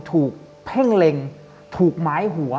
ถูกเพ่งเล็งถูกหมายหัว